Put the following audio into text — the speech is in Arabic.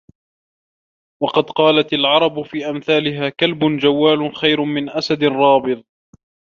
وَقَدْ قَالَتْ الْعَرَبُ فِي أَمْثَالِهَا كَلْبٌ جَوَّالٌ خَيْرٌ مِنْ أَسَدٍ رَابِضٍ